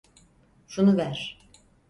Şunu ver.